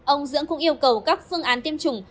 ông dưỡng cũng yêu cầu các phương án tiêm chủng